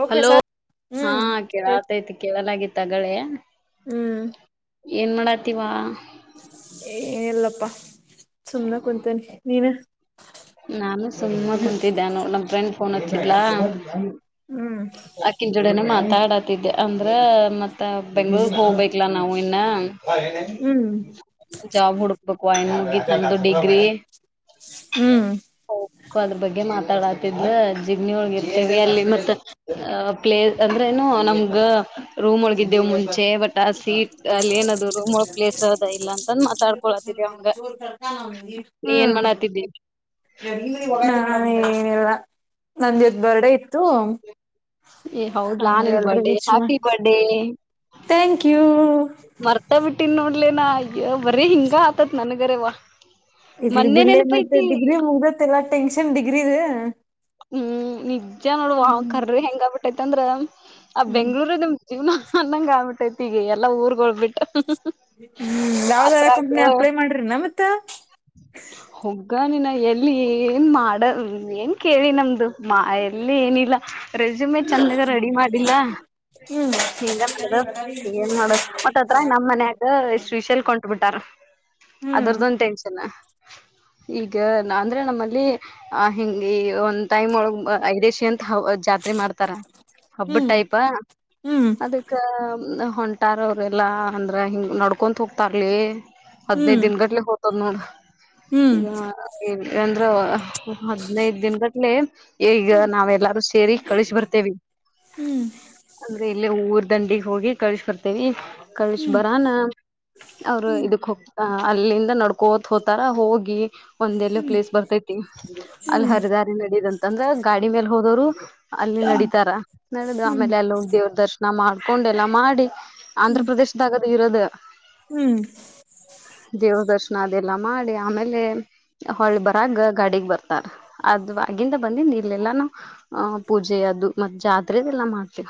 Okay hello sir ಹಾ ಹ್ಮ್ ಕೇಳಾತೈತಿ ಕೇಳಲಾಗಿತ್ತಗಳೇ ಹ್ಮ್ ಏನ್ ಮಾಡತೀವಾ. ಏನಲ್ಲಪ್ಪಾ ಸುಮ್ನೆ ಕುಂತನಿ ನೀನು. ನಾನು ಸುಮ ಸಂತಿದ್ದಿದ್ದೇನ ನೋಡ್ ನನ್ ಫ್ರೆಂಡ್ ಫೋನ್ ಹಚ್ಚಿದ್ಲ. ಹ್ಮ್ ಆಕಿ ಜೋಡಿನೆ ಮಾತ್ -ಡತಿದ್ದೆ ಅಂದ್ರೆ ಮತ್ತ ಬೆಂಗ್ಳೂರ್ ಹೋಗ್ಬೇಕ್ಲ ನಾವು ಇನ್ನ. ಹ್ಮ್ ಜಾಬ್ ಹುಡುಕ್ಬೇಕು [unintelligible] ಮುಗಿತ್ ನಂದ್ ಡಿಗ್ರಿ ಹ್ಮ್ ಆದ್ರು ಬಗ್ಗೆ ಮಾತಾಡಾತಿದ್ಲು ಜಿಗ್ನಿ ಒಳಗಿರ್ತೇವಿ ಅಲ್ಲಿ ಮತ್ತ ಪ್ಲೇಸ್ ಅಂದ್ರೇನು ನಮ್ದು ರೂಮ್ ಒಳಗಿದ್ದೇವು ಮುಂಚೆ ಬಟ್ ಸೀಟ್ ಅಲ್ಲಿ ಏನದು ರೂಮಳ ಪ್ಲೇಸ್ ಅದ ಇಲ್ಲ ಅಂತಂದ ಮಾತಾಡ್ಕೊಳತ್ತಿದೇ ಹಂಗ. ನೀ ಏನ್ ಮಾಡ ಹತಿದ್ದಿ. ನಾನ ಏನಲ್ಲ ನಂದ್ ಬರ್ಡೆ ಇತ್ತು ಏ ಹೌದ್ಲ ಹಂಗ ನಿನ್ ಎಲ್ರಿಗೂ ಬರ್ಡೇ ವಿಶ್ ಮಾಡ್ ಹ್ಯಾಪಿ ಬರ್ಡೇ. ಥ್ಯಾಂಕ್ ಯು ಮರ್ತೆ ಬಿಟ್ಟಿನ್ ನೋಡ್. ಇಲ್ಲೇನಾ ಅಯ ಬರ ಹಿಂಗ ಆತತ್ ನನ್ಗರೇವಾ ಇಡ್ಲಿ ಬಿಡ್ಲಿ ಮತ್ತೆ ಡಿಗ್ರಿ ಮುಗ್ದತ್ ಎಲ್ಲಾ ಟೆನ್ಷನ್ ಡಿಗ್ರಿದ್. ಹ್ಮ್ ನಿಜ ನೋಡುವ ಕರ್ರಿ ಹೆಂಗ ಆಗ್ಬಿಟ್ಟೈತ್ ಅಂದ್ರ ಆ ಹ್ಮ್ ಬೆಂಗ್ಳೂರ್ ನಮ್ ಇವ್ನ ಅನಂಗ್ ಆಗ್ಬಿಟ್ಟೈತಿಗೆ ಎಲ್ಲಾ ಊರ್ಗೋಬೀಟ್ ಹ್ಮ್ ಯಾವ್ದಾವ ಕಂಪ್ನಿ ಅಪ್ಲೈ ಮಾಡ್ರಿ ನ ಮತ್ತ. ಗ ನೀನ ಎಲ್ಲಿ ಏನ್ ಮಾಡ ಏನ್ ಕೇಳಿ ನಮ್ದು ಮಾ ಎಲ್ಲಿ ಏನಿಲ್ಲ. ರೇಸುಮ್ನೆ ಚೆಂದಾಗ ರೆಡಿ ಮಾಡಿಲ್ಲ ಹ್ಮ್ ಹಿಂಗ ಮಾಡದು ಏನ್ ಮಾಡುದು ಒಟ್ಟತ್ರ ನಮ್ ಮನ್ಕ ಶ್ರೀಶೈಲ್ ಹೊಂಟಬಿಟ್ಟಾರ ಅದರ್ದೊಂದು ಹ್ಮ್ ಟೆನ್ಷನ್ ಈಗ ಅಂದ್ರೆ ನಮ್ಮಲ್ಲಿ ಆ ಹಿಂಗ ಒಂದ್ ಟೈಮ್ ಒಳಗ್ ಐದೇಶೀ ಅಂತ ಜಾತ್ರೆ ಮಾಡ್ತಾರ ಹಬ್ಬ ಟೈಪ ಹ್ಮ್ ಹ್ಮ್ ಅದಕ್ಕ ಹೊಂಟಾರ ಅವರೆಲ್ಲ ಅಂದ್ರೆ ಹಿಂ ನಡ್ಕೊತ ಹೋಗ್ತಾರಲಿ ಹ್ಮ್ ಹದ್ನೈದ್ ದಿನ ಗಟ್ಲೆ ಹೋಗತದ್ ನೋಡ್ ಹ್ಮ್ [unintelligible] ಹದ್ನೈದ ದಿನದಟ್ಲೆೇ ಈಗ ನಾವೆಲ್ಲಾರು ಸೇರಿ ಕಳಿಸಿ ಬರ್ತೇವಿ. ಹ್ಮ್ ಹ್ಮ್ ಅಂದ್ರೆ ಇಲ್ಲೆ ಊರ್ ದಂಡಿಗ್ ಹೋಗಿ ಕಳ್ಸ ಬರ್ತೇವಿ ಕಳ್ಸ ಹ್ಮ್ ಬರಾನ ಅವರು ಇದಕ್ ಹೋಗ್ ಅ ಅಲ್ಲಿಂದ ನಡ್ಕೋತ್ ಹೋತಾರ ಹೋಗಿ ಒಂದ ಎಲ್ಲ ಪ್ಲೇಸ್ ಬರ್ತೈತಿ. ಅಲ್ಲಿ ಹ್ಮ್ ಹರಿದಾರಿ ನಡಿದಂತ ಅಂದ್ರ ಗಾಡಿ ಮೇಲೆ ಹೋದವ್ರು. ಅಲ್ಲಿ ಹ್ಮ್ ನಡೀತಾರ ನಡೆದು ಹ್ಮ್ ಆಮೇಲೆ ಅಲ್ಲೋಗ್ ದೇವ್ರ ದರ್ಶನ ಮಾಡ್ಕೊಂಡ್ ಎಲ್ಲಾ ಮಾಡಿ. ಆಂಧ್ರಪ್ರದೇಶದಾಗದು ಇರೋದ ಹ್ಮ್ ದೇವ ದರ್ಶನ ಅದೆೇಲ್ಲ ಎಲ್ಲ ಮಾಡಿ ಆಮೇಲೆ ಹೊಳ್ ಬರಾಗ ಗಾಡಿಗ್ ಬರ್ ಅದ ಆಗಿಂದ ಬಂದ ಇಲ್ಲೆಲ್ಲಾ ಆಹ್ ಪೂಜೆ ಅದು ಮತ್ ಜಾತ್ರೆದ ಎಲ್ಲಾ ಮಾಡ್ತವ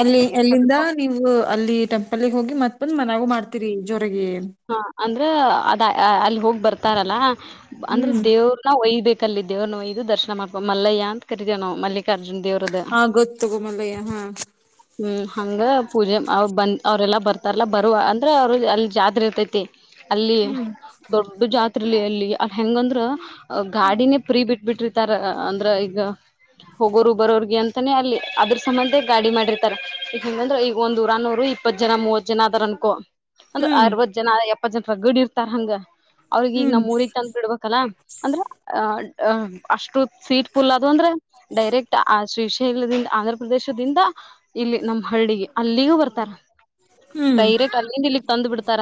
ಅಲ್ಲಿ ಎಲ್ಲಿಂದ ನೀವು ಅಲ್ಲಿ ಟೆಂಪಲ್ಗೆ ಹೋಗಿ ಮತ್ ಬಂದು ಮನ್ಯಾಗು ಮಾಡ್ತೀರಿ ಜೋ ಅಡಿಗೆ ಹಾ ಅಂದ್ರ ಅದ ಅಲ್ಲಿ ಹೋಗ್ ಬರ್ತಾರಲ್ಲ ಅಂದ್ರೆ ಹ್ಮ್ ದೇವ್ರನ್ನ ಒಯ್ಬೇಕ ಕಲ್ಲಿದ್ದೇವು ನಾವು ಇದು ದರ್ಶನ ಮಾಡ ಮಯ್ಯ ಅಂತ ಕರೀತೀವಿ ನಾ ಮಲ್ಲಿಗೆ ಅರ್ಜುನ್ ದೇವ್ರದ ಹಾ ಗೊತ್ ತಗೋ ಮಲ್ಲಯ್ಯ ಹಾ ಹ್ಮ್ ಹಂಗ ಪೂಜೆರು ಬಂದು ಅವರೆಲ್ಲ ಬರ್ತಾರಲ್ಲ ಬರುವ ಅಂದರೆೆ ಅವರು ಅಲ್ಲಿ ಜಾತ್ರೆ ಇರ್ತೈತಿ ಅಲ್ಲಿ ಹ್ಮ್ ದೊಡ್ಡ ಜಾತ್ರೆಲಿ ಅಲ್ಲಿ ಅಲ್ಲಿ ಹೆಂಗಂದ್ರ ಗಾಡಿನೇ ಪ್ರೀ ಬಿಟ್ಟ ಬಿಟ್ಟಿತಾರ ಅಂದ್ರ ಈಗ ಹೋಗೋರು ಬರೋರ್ಗೆ ಅಂತಾನೇ ಅಲ್ಲಿ ಅದ್ರ ಸಂಬಂಧ ಗಾಡಿ ಮಾಡಿರ್ತಾರೆಂಗಂದ್ರೆ ಈಗ ಒಂದಂದು ಊರನ್ನೋರು ಈ ಇಪ್ಪತ್ ಜನ ಮೂವತ್ ಜನ ಅದಾರ ಅನ್ಕೊ ಅಂದ್ರ ಹ್ಮ್ ಅರವತ್ ಜನ ಎಪ್ಪತ್ ಜನ ರಗಡ್ ಇರ್ತಾರ ಹಂಗ ಅವ್ರಗ ಈಗ ಹ್ಮ್ ನಮ್ಮ ಊರಿಗೆ ತಂದು ಬಿಡ್ಬೇಕಲ್ಲ ಅಂದ್ರ ಅ ಅ ಅಷ್ಟು ಸೀಟ್ ಪುಲ್ ಅದು ಅಂದ್ರೆ ಡೈರೆಕ್ಟ್ ಆ ಶ್ರೀಶೈಲದಿಂದ ಆಂಧ್ರ ಪ್ರದೇಶದಿಂದ ಇಲ್ಲಿ ನಮ್ಮ್ ಹಳ್ಳಿಗೆ ಅಲ್ಲಿಗೂ ಬರ್ತಾರ ಹ್ಮ್ ಡೈರೆಕ್ಟ್ ಅಲ್ಲಿಂದ ಇಲ್ಲಿಗ್ ತಂದು ಬಿಡ್ತಾರ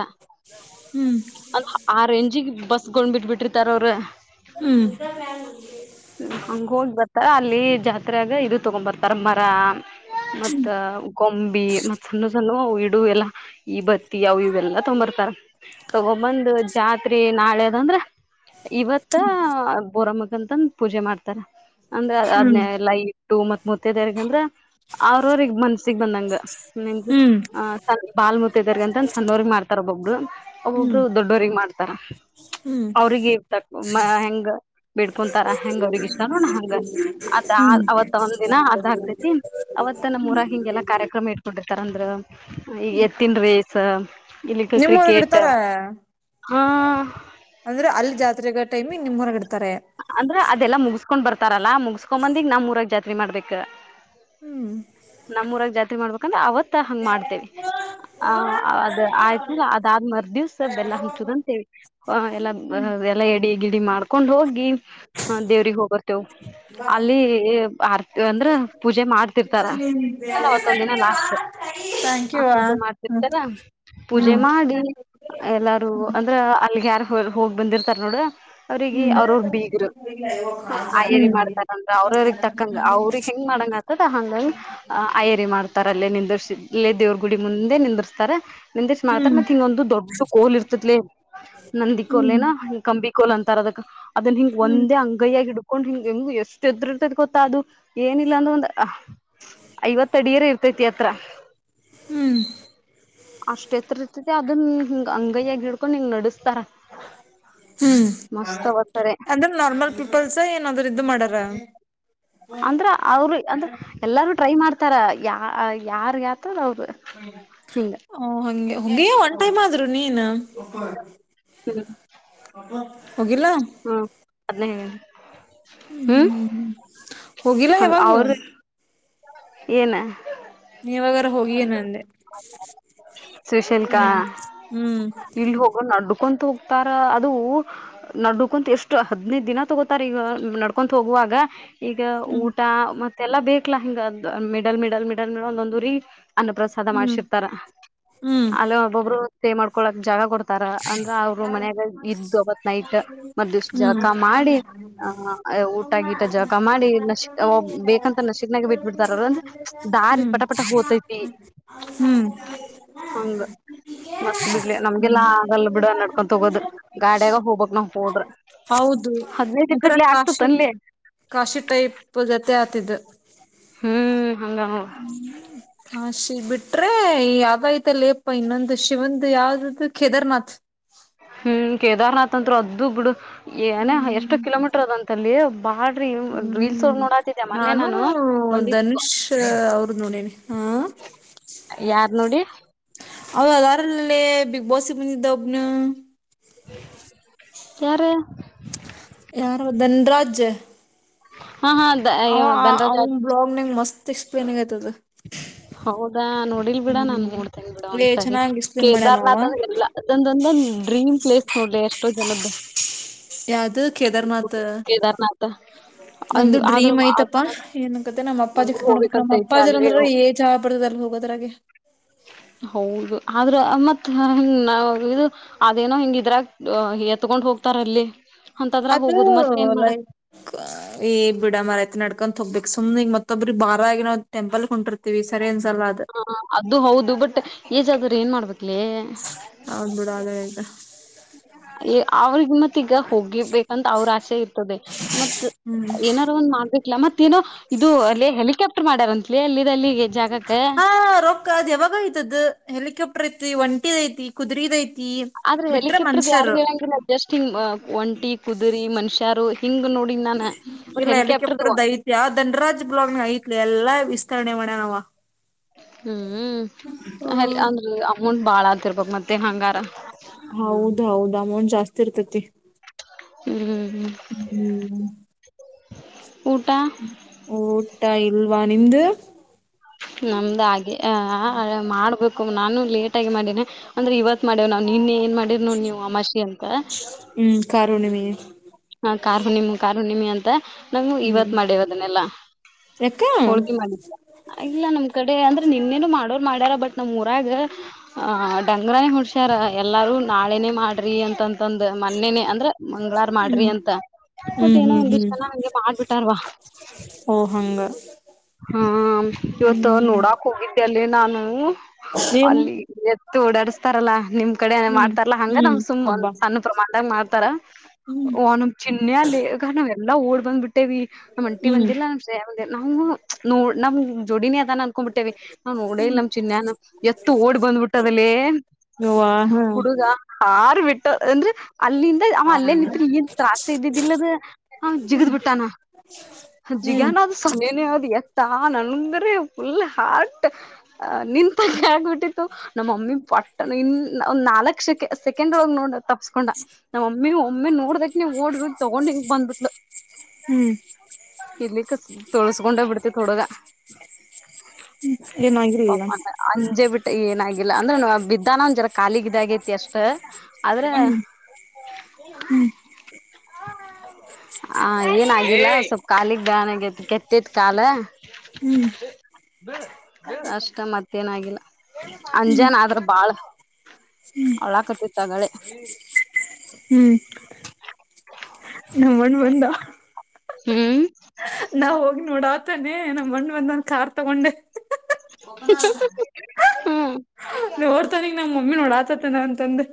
ಹ್ಮ್ ಅಂದ್ರೆ ಆ ರಂಜಿಗೆ ಬಸ್ಗಳನ್ನ ಬಿಟ್ ಬಿಟ್ಟಿರ್ತಾರ ಅವ್ರ ಹ್ಮ್ ಹ್ಮ ಹಂಗ ಹೋಗ್ ಬರ್ತಾರ ಅಲ್ಲಿ ಜಾತ್ರೆ ಆಗ ಇದು ತಗೊಂಡ್ ಬರ್ತಾರ ಮರ ಮತ್ತ ಗೊಂಬಿ ಮತ್ತ್ ಸಣ್ಣ ಸಣ್ಣವು ಇಡು ಎಲ್ಲಾ ಈ ಬತ್ತಿ ಅವು ಇವೆಲ್ಲಾ ತಕೊಂಡು ಬಾ ತಗೊಬಂದು ಜಾತ್ರಿ ನಾಳೆ ಅದಂದ್ರ ಇವತ್ತ ಬೋರಮ್ಮಗ ಅಂತಂದ ಪೂಜೆ ಮಾಡ್ತಾರ ಅಂದ್ರೆ ಅದ್ನ ಹ್ಮ್ ಹ್ಮ್ ಲೈಟ್ಟು ಮತ್ ಮುತ್ತೆದರ್ಗಂದ್ರ ಅವ್ರವ್ರಗ್ ಮನ್ಸಗ್ ಬಂದಂಗ ಮೀನ್ಸ್ ಹ್ಮ್ ಬಾಲ್ಮಮುತೈದೆಯರು ಅಂತಂದ ಸಣ್ಣವ್ರಗ್ ಮಾಡ್ತಾರೆ ಒಬೊಬ್ಬರು ಹ್ಮ್ ಒಬ್ಬೊಬ್ರು ದೊಡ್ಡೋರಿಗೆ ಮಾಡ್ತಾರೆ ಹ್ಮ್ ಅವ್ರಿಗೆ ಇತ ಹೆಂಗ ಬಿಡ್ಕೊಂತಾರ ಹೆಂಗ ಅವ್ರಗ ಇಷ್ಟ ನೋಡ ಹಂಗ ಅವತ್ ಒಂದ್ ದಿನ ಅದ್ ಹಾಕ್ತೈತಿ ಅವತ್ ನಮ್ಮ ಊರಾಗ ಹಿಂಗೆಲ್ಲಾ ಕಾರ್ಯಕ್ರಮ ಇಟ್ಕೊಂಡಿರ್ತಾರ ಅಂದ್ರ ಈಗ ಎತ್ತಿನ ರೇಸ್ ನಿಮ್ಮೂರ್ಗ್ ಇಡ್ತಾರಾ ಹ್ಮ್ ಅಂದ್ರೆ ಅಲ್ಲಿ ಜಾತ್ರೆ ಟೈಮಿ ನಿಮ್ಮ ಊರಾಗ ಇಡ್ತಾರ ಅಂದ್ರ ಅದೆಲ್ಲ ಮುಗಸ್ಕೊಂಡ್ ಬರ್ತಾರಲ್ಲಾ ಮುಗಸ್ಕೊ ಬಂದಿ ನಮ್ಮ ಊರಾಗ ಜಾತ್ರೆ ಮಾಡ್ಬೇಕ ಹ್ಮ್ ನಮ್ಮೂಊರಾಗ ಜಾತ್ರೆ ಮಾಡ್ಬೇಕಂದ್ರೆ ಅವತ್ತ ಹಂಗ್ ಮಾಡ್ತೇವಿ ಆ ಅದ್ ಆಯ್ತಲ್ಲ ಅದಾದ್ ಮರ್ ದಿವ್ಸ ಬೆಲ್ಲ ಹಂಚುದಂತೇಳಿ ಎಲ್ಲ ಹ್ಮ್ ಅದೆಲ್ಲಾ ರೆಡಿ ಗಿಡಿ ಮಾಡ್ಕೊಂಡ್ ಹೋಗಿ ಹ ದೇವ್ರಿಗೆ ಹೋಗಿ ಬರ್ತೇವು ಅಲ್ಲಿ ಆರ್ತಿ ಅಂದ್ರ ಪೂಜೆ ಮಾಡ್ತಿರ್ತಾರ ಅಲ್ಲ ಅವತ್ತೊಂದ ದಿನ ಲಾಸ್ಟ್ ಥ್ಯಾಂಕ್ ಹ ಯು ವಾ ಪೂಜೆ ಹ್ಮ್ ಮಾಡ್ತಿರ್ತಾರ ಪೂಜೆ ಹ್ಮ್ ಮಾಡಿ ಎಲ್ಲಾರು ಅಂದ್ರ ಅಲ್ಲಿಗೆ ಯಾರ ಹೋಗ್ ಬಂದಿರ್ತಾರ ನೋಡ ಅವ್ರಿಗೆ ಹ್ಮ್ ಅವ್ರ ಅವ್ರ ಬೀಗರು ಹ ಅಯ್ಯರಿ ಮಾಡ್ತಾರಂದ್ರ ಅವ್ರ ಅವ್ರಗ್ ತಕ್ಕಂಗ ಅವ್ರಗ್ ಹೆಂಗ್ ಮಾಡಂಗ ಆತದ ಹಂಗಂಗ ಅಯ್ಯರಿ ಮಾಡ್ತಾರಲ್ಲೇ ನಿರ್ಸೇ ದೇವ್ರ ಗುಡಿ ಮುಂದೆ ನಿಂದರ್ ತಾರ ನಿಂದೆಷ್ಟ ಮಾಡ್ತಾರ ಹ್ಮ್ ಮತ್ತತ್ ಹಿಂಗೊಂದು ದೊಡ್ಡ ಕೋಲ್ ಇರ್ತತ್ಲಿ ನಂದಿ ಕೋಲ್ ಹ್ಮ್ ಏನ ಕಂಬಿ ಕೋಲ್ ಅಂತಾರ ಅದಕ್ ಅದನ್ ಹಿಂಗ ಹ್ಮ್ ಒಂದೇ ಅಂಗಯ್ಯಾಗಿ ಇಡ್ಕೊಂದು ಹಕೊಂಡ್ ಹಂಗೆ ಎಷ್ಟ ಎದುರ ಇರ್ತದ ಗೊತ್ತಾ ಅದು ಏನಿಲ್ಲ ಅಂದ್ರ ಒಂದು ಐವತ್ತ ಅಡಿಯರ ಇರ್ತ ಐತಿ ಎತ್ರ ಹ್ಮ್ ಅಷ್ಟ್ ಎತ್ರ ಇರ್ತದೆ ಅದ ಹಿಂಗ ಅಂಗಯ್ಯಗ ಹಿಡ್ಕೊಂಡ್ ಹಂಗ್ ನೆಡಿಸ್ತಾರ ಹ್ಮ್ ಅಂದ್ರೆ ನಾರ್ಮಲ್ ಪೀಪಲ್ಸ್ ಏನಾದ್ರು ಇದ್ದು ಮಾಡಾರ ಅಂದ್ರ ಅವರು ಅಂದ್ರ ಎಲ್ಲಾರು ಟ್ರೈ ಮಾಡ್ತಾರ ಯ ಯಾರ್ ಯ ಹ್ಮ ಹಂಗೆ ಗೆ ಒನ್ ಟೈಮ್ ಆದ್ರು ನೀನ್ ಹ್ಮ್ ಹೋಗಿಲ್ಲ. ಹ್ಮ್ ಹ್ಮ್. ಹೋಗಿಲ್ಲ ಹಂಗ ಯಾವಾಗೂ, ಅವ್ರ ಏನ ನೀ ಯಾವಾಗರ ಹೋಗಿ ಏನಂದೆ. ಸುಶೀಲ್ಕಾ ಹ್ಮ್ ಹ್ಮ್. ನಡ್ಕೊ ಹೋಗ್ತಾರ ಅದು ನಡ್ಕೊಂತ ಎಷ್ಟು ಹದನೈದು ದಿನ ತಗೋತಾರ ಈಗ ನಡ್ಕೊತ್ ಹೋಗುವ ಹಾಗ, ಈಗ ಹ್ಮ್ ಊಟ ಮತ್ತೆಲ್ಲಾ ಬೇಕಲಾ ಹಿಂಗದ ಮಿಡಲ್ ಮಿಡಲ್ ಮಿಡಲ್ ಮಿಡಲ್ ಒಂದೊಂದುರಿ ಅನ್ನಪ್ರಸಾದ ಹ್ಮ್ ಮಾಡ್ಸಿರ್ತಾರ ಹ್ಮ್ ಅಲ್ಲ ಒಬ್ಬೊಬ್ರು ಸ್ಟೇ ಮಾಡ್ಕೊಳ್ಳ ಕ ಜಾಗ ಕೊಡ್ತ ತರ. ಅಂದ್ರ ಅವರು ಮನ್ಯಾಗ ಇದ್ದ ಒತ್ ನೈಟ್ ಮ ದಿವಸ ಹ್ಮ್ ಜಕ ಮಾಡಿ ಆಹ, ಊಟ, ಗೀಟ, ಜಳಕ ಮಾಡಿ. ನಶ ಬೇಕಂತ ನಶ ನಾಗ ಬಿಟ್ಬಿಡ್ತಾರ ಅಂದ್ರ ದಾರಿ ಹ್ಮ್ ಪಟಪಟ ಹೋತೈತಿ. ಹ್ಮ್ ಹಂಗ ಮಸ್ತ್ ಬಿಡ್ಲಿ ನಮ್ಗೆಲ್ಲಾ, ಹ್ಮ್ ಆಗಲ್ಲ ಬಿಡ ನಡ್ಕೊಂಡ ತಗೋದು ಗಾಡಿಯಾಗ ಹೋಗ್ಬಕ್ ನಾವು ಹೋದ್ರ. ಹೌದು ಹದ್ನೈದು ಒಂತರ ಎಕಡ್ಲಿ ಆಗ್ತತ್ ಕಾಶಿ, ಅನ್ಲಿ ಕಾಶಿ ಟೈಪ್ ಜೊತೆ, [inaudible] ಹ್ಮ್ ಹಂಗ ನೋಡ್ ಶ ಬಿಟ್ರೆ ಯಾವೈತ ಲ ಅಪ್ಪ ಇನ್ನೊಂದು ಶಿವನ್ ಯಾವ್ದ್ದು ಕೇದಾರ್ನಾಥ್. ಹ್ಮ್ ಕೇದಾರ್ನಾಥ್ ಅಂತರು ಅದದು ಬಿಡು ಏನ ಎಷ್ಟು ಹ್ಮ್ ಕಿಲೋಮೀಟರ್ ಅದಂತಲ್ಲಿ. ಬಾಳ್ರಿ ರೀಲ್ಸ್ ಅವ್ರ ಹ್ಮ್ ನೋಡಾತಿದ್ದೆ ಮೊನ್ನೆ ನಾನು ಬಂದಿತ್ತು ಧನುಷ್ ಅವ್ರ ನೋಡಿನಿ ಹ, ಹಾ, ಯಾರ್ ನೋಡಿ. ಅದಾರಲ್ಲೇ ಬಿಗ್ ಬಾಸ್ ಗಿ ಬಬಂದಿದ ಒಬ್ಬನು. ಯಾರ್. ಯಾರು ಧನರಾಜ್. [inaudible] ಹ ಧನ್ರಾಜ್ ಅವನ್ ಬ್ಲಾಗ್ನಂಗ್ ಮಸ್ತ್ ಎಕ್ಸ್ಪ್ಲೇನ್ಂಗ ಆಯ್ತದ. ಹೌದಾ ನೋಡಿಲ್ ಬಿಡ ನಾನ್ ನೋಡ್ಡ್ತೇನಿ ಬಿಡ. ಲೇ ಒಂದ್ಸಾರಿ ಚೆನ್ನಾಗ್ ಎಕ್ಸ್ಪ್ಲೇನ್ ಮಾಡ್ಯಾನ ಅವ ಕೇದಾರನಾಥ ಅಂದ ಅದಂದೊಂದ ಡ್ರೀಮ್ ಪ್ಲೇಸ್ ನೋಡ್ರಿ ಎಷ್ಟೋ ಜನದ್ದ. ಯಾವ್ದ ಕೇದಾರನಾಥ. ಕೇದಾರ್ನಾಥ ನಂದು ಆದ್ರೂ ಡ್ರೀಮ್ ಐ್ತಪ್ಪ. ಏನಕತ್ತ, ನಮ್ಮ್ ಅಪ್ಪಾಜಿ ನಂಗೂ ಕತ್ಕೊಂಡಬೇಕು ಹೋಗ್ಬೇಕಂತ ನಮ್ಮ್ ಐತಿ ಅಪ್ಪಾಜರ ಅಲ್ಲಿ ಅಂದ್ರಏ ಚಹಾ ಬಡದಲ್ ಹೋಗೋದ್ರಾಗೆ, ಹೌದು ಆದ್ರ ಮತ್ ಹ ನ ಇದು ಅದೇನೋ ಹಿಂಗ ಇದ್ರಾಗ ಎತ್ಕೊಂಡ್ ಹೋಗ ಹೋಗ್ತಾರಲ್ಲಿ. ಅದು ಲೈಕ್ ಈ ಬಿಡ ಮರಐತ್ ನಡ್ಕೊ ತೋಹೋಬೀಕ್ ಮತ್ತೊಬ್ಬರಿಗಿ ಬಾರ ಆಗಿ ನಾವು ಟೆಂಪಲ್ಕ ಹೊಂಟಿಇರ್ತೀವಿ ಸರಿ ಅನೆಸ್ ಹ ಅದು ಹೌದು ಬಟ್ ಏಜ್ ಆದ್ರೂ ಏನ್ ಮಾಡ್ಬೇಕ. ಹೌದ್ಬಿಡ ಅೇ ಆಯ್ತಾ ಅವ್ರಿಗೆ ಮತ್ತ ಈಗ ಹೋಗಿರ್ಬೇಕಂತ ಅವ್ರ ಆಸೆ ಇರ್ತ ಮತ್ ಹ್ಮ್ ಏನಾದಾರು ಒಂದ್ ಮಾಡ್ಬೇಕಲ ಮತ್ತೇನೋ ಇದು ಅಲ್ಲಿ ಹೆಲಿಕಾಪ್ಟರ್ ಮಾಡ್ಯಾರಂತ ಹಾ ರೊಕ್ಕ ಅದ್ ಯಾವಾಗ ಆಯ್ತದ್ದು ಹೆಲಿಕಾಪ್ಟರ್ ಐತಿ ಒಂಟಿ ಐತಿ, ಕುದು್ರಿದ ಐತಿ, ಆದ್ರೆ ಬಿಟ್ರೆ ಹೆಲಿಕಾಪ್ಟರ್ ಯಾರು ಮನುಷ್ಯರು ಹೇಳಂಗಿಲ್ಲ ಜಸ್ಟ್ ಹಿಂಗ ಒಂಟಿ ಕುದುರಿ ಮನುಷ್ಯಾರು. ಹಿಂಗ್ ನೋಡಿನ್ ನಾನ ಇಲ್ಲ ಹೆಲಿಕಾಪ್ಟರ್ದ ಐತ್ಯ ಧನ್ರಾಜ್ ಬ್ಲಾಗ್ಹನ ಐತಿ. ಎಲ್ಲಾ ವಿಸ್ತರಣೆ ಮಾಡ್ಯಾನ್ ಅವ್ವ. ಹ್ಮ್ ಅಂದ್ರ ಅಮೌಂಟ್ ಬಾಳ ಆತಿರ್ಬಕ್ ಮತ್ತ. ಹೌದ ಹೌದು ಅಮೌಂಟ್ ಜಾಸ್ತಿ ಇರ್ತತಿ. ಹ್ಮ್. ಹ್ಮ್. ಊಟ ಊಟಾ ಇಲ್ವಾ ನಿಮ್ದು ನಮ್ದ ಹಾಗೆ ಮಾಡ್ಬೇಕು ನಾನು ಲೇಟ್ ಆಗಿ ಮಾಡೇನೆ ಅಂದ್ರೆ ಇವತ್ ಮಾಡೇವಿ ನಾವು ನಿನ್ನಿ. ಮಾಡಿರ್ ನ ನೀವು ಅಮಾಷಿ ಅಂತ ಹ್ಮ್ ಕಾರುಣಿಮೆ ಹಾ ಕಾರಾರ್ುಣಿಮ ಕಾರಾರ್ುಣಿಮಿ ಅಂತ ನಂಗ ಹ್ಮ್ ಇವತ್ ಮಾಡೇವದನ್ನಲ್ಲ ಹೋಳ್ ಯಾಕ ಮಾಡ ಇಲ್ಲ ನಮ್ ಕಡೆ ಅಂದ್ರೆ ನಿನ್ನೆನು ಮಾಡೋರು ಮಾಡ್ಯಾರ ಬಟ್ ನಮ್ಮ್ ಊರಾಗ ಡಂಗರಾನೇ ಹುಡ್ಸ್ಯಾರ ಎಲ್ಲಾರು ನಾಳೆ ಮಾಡ್ರಿ ಅಂತಂತಂದ ಮನೆನೆ ಅಂದ್ರ ಮಂಗ್ಾರ ಹ್ಮ್ ಮಾಡಿ ಿ ಅಂತ ಬಟ್ ಹ್ಮ್ ಏನೋ ಹ್ಮ್ ಹ್ಮ್ ಒಂದಿಷ್ಟ ಚನ್ನ ಹಂಗೆ ಮಾಡ್ಬಿಟ್ಟಾರ್ವಾ ಓ ಹಂಗ ಹಾ ಇವತ್ತು ಹ್ಮ್ ನೋಡಾಕ್ ಹೋಗಿದ್ದೆ ಅಲ್ಲಿ ನಾನು ಏನ್ ಅಲ್ಲಿ ಓಡಾಡಸ್ತಾರಲ್ಲಾ ನಿಮ್ ಕಡೆಏ ಹ್ಮ್ ಮಾಡ್ತಾರಲ್ಲಾ ಹಂಗ ನಮ್ ಹ್ಮ್ ಸು್ ಒ್ ಹಬ್ಬ ಸಣ್ಣ ಪ್ರಮಾಣದಾಗ ಮಾಡ್ತಾರ ಹ್ಮ್ ನು ಚಿನ್ನ ಅಲ್ಲಿ ಗನ ಎಲ್ಲಾ ಓಡ್ ಬಂದ್ಬ ಬಿಟ್ಟೇವಿ ನಮ್ ಅಂಟಿ ಹ್ಮ್ ಬಂದಿಲ್ಲಾ ನಮ್ ಸ ಬಂದ ನಾವು ನೋಡ್ ನಮ್ ಜೋಡಿನಿ ಅದಾನ ಅನ್ಕೊಂಡ್ಬ ಬಿಟ್ಟೇವಿ ನಾವ್ ನೋಡೇ ಇಲ್ ನಮ್ ಚಿನ್ನಾನ ಎತ್ತು ಓಡ್ ಬಂದ್ಬಿಟ್ಟದಲ್ಲಿ ಯವ್ವಾ ಹಾ ಹುಡುಗ ಬಿಟ್ಟು ಅಂದ್ರೆ ಅಲ್ಲಿಂದ ಅವ ಅಲ್ಲೇ ನಿತ್ ಹಗೆನ್ ತತ್ರಾಸ ಇದ್ದಿದ್ದಿಲ್ಲದ ಹಾ ಜಿಗದ ಬುಟ್ಟಾನ ಹ್ಮ್ ಜಿಗಾನದು ಸ ತ್ತಾ ನನ್ಂದ್ರೆ ಫುಲ್ ಹಾರ್ಟ್ ಅ ನಿಂತ ಕಗ್ ಬಿಿಟ್ಟಿತ್ತು ನಮ್ಮ ಮಮ್ಮಿ ಪಟ್ಟಣ ಇನ್ನ ಒಂದ ನಲ್ಕ್ ಶೆ ಸೆಕೆಂಡ್ ಒಳಗೆ ನೋಡ ತಪ್ಸ್ಕೊಂಡ ನಾವ್ಮ್ಮಿ ಒಮ್ಮಿ ನೋಡ್ದಕ್ ನೀವ್ ಓಡ್ ತಗೊಂಡ್ ಹಂಗ ಬಂದ್ಬಿಟ್ಲು ಹ್ಮ್ ಇಲ್ಲಿ ಕ ತೊಳ್ಸ್ಕೊಂಡ್ ಬಿಡ್ತ ತೊಡುಗ ಏನಾಗಿರ್ಲಿಲ್ಲ ಅಂಜೆ ಬಿಟ್ಟ ಏನಾಗಿಲ್ಲ ಅಂದ್ರೆ ಬಿದ್ದಾನ ಒಂದ್ ಜರ ಖಾಲಿಗ ಇದ ಆಾಗೈತಿ ಅಷ್ಟ ಅದರೆ ಹ್ಮ್ ಹ ಏನ ಆಗಿಲ್ಲ ಸ್ವಲ್ಪ್ ಕಾಲಿಗ್ ಬಾನ ಆಗತ್ ಕೆತ್ತೇತ್ ಕಾಲ ಹ್ಮ್ ಅಷ್ಟ ಮತ್ತೇನಾಗಿಲ್ಲ ಅಂಜಾನ ಆದ್ರ ಬಾಳ ಅವಳ ಹಕತಿತ್ತಗಳೆ ಹ್ಮ್ ನಮ್ಮಣ ಬಂದ ಹ್ಮ್ ನಾವ್ ಹೋಗಿ ನೋಡು ಆತಾನೇ ನಮ್ಮ ಮಣ್ಣ್ ಬಂದ ಒಂದ ಕಾರ್ ತಗೊಂಡೆ ಹ್ಮ್ ನೀೋಡ್ತಾನಗ್ ನಮ್ಮ ಮಮ್ಮಿ ನೋಡಾತ ನನ್ ತಂದೆ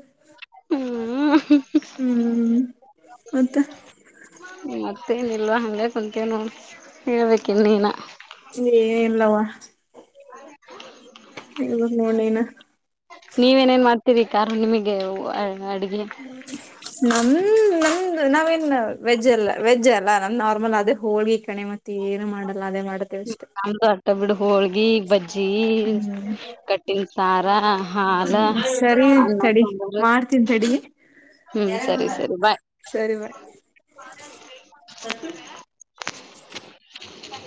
ಹ್ಮ ಹ್ಮ್ ಮತ್ತ ಮತ್ತೇನ ಇಲ್ವಾ ಹಂಗೇ ಕುತ ನೋ ಹೇಳ್ಬೇಕಿ ಇನ್ನನ ನೀ ಏ ಇಲ್ಲವಾ ಇ ನೋಡೇನ ಕಾರ ನಿಮಗೆ ನಮ್ಮ್ ನಮ್ ನಾವೇನ್ ವೆಜ್ ಅಲ್ಲ ವೆಜ್ ಅಲ್ಲ ನಾ ನಾರ್ಮಲ್ ಅದೇ ಹೋಳ್ಗಿ ಕಣೆ ಮತ್ ಏನೆ ಮಾಡದ್ ನಮ್ದು ಅಷ್ಟ ಬಿಡು ಹೋಳ್ಗಿ ಬಜ್ಜಿ ಹ್ಮ್ ಕಟ್ಟಿನ ಸಾರ ಹಾಲ ಸರಿ ಅನ್ನ ತಡಿ ಸಾಂಬಾರು ಮಾಡ್ತೀನ್ ತಡಿ. ಹ್ಮ್ ಸರಿ ಸರಿ ಬಾಯ್. ಸರಿ ಬಾಯ್ ಹಿ ಹ